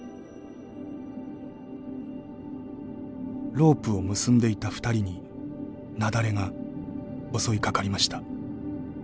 ロープを結んでいた２人に雪崩が襲いかかりました。